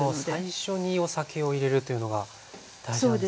最初にお酒を入れるというのが大事なんですね。